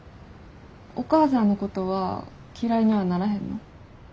お母さんのことは嫌いにはならへんの？